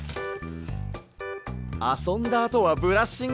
あそんだあとはブラッシング。